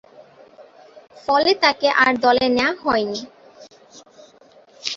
ফলে তাকে আর দলে নেয়া হয়নি।